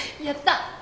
やった！